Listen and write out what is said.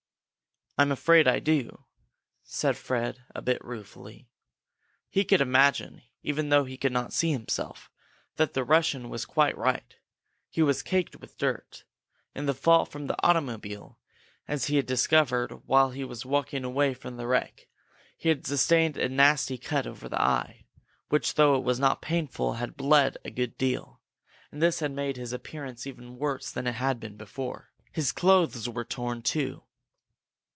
"I'm afraid I do," said Fred, a bit ruefully. He could imagine, even though he could not see himself, that the Russian was quite right. He was caked with dirt. In the fall from the automobile, as he had discovered while he was walking away from the wreck, he had sustained a nasty cut over the eye, which, though it was not painful, had bled a good deal. And this had made his appearance even worse than it had been before. His clothes were torn, too.